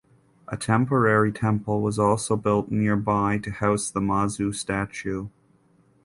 A temporary temple was also built nearby to house the Mazu statue.